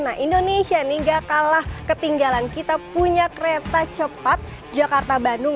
nah indonesia nih gak kalah ketinggalan kita punya kereta cepat jakarta bandung